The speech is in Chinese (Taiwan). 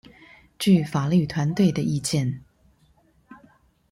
據法律團隊的意見